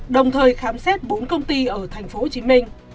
đồng thời khám xét bốn công ty ở tp hcm